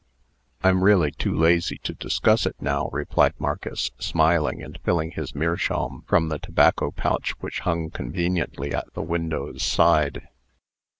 "I'm really too lazy to discuss it now," replied Marcus, smiling, and filling his meerschaum from the tobacco pouch which hung conveniently at the window's side.